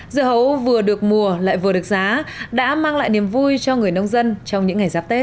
dưa hấu vừa được mùa lại vừa được giá đã mang lại niềm vui cho người nông dân trong những ngày giáp tết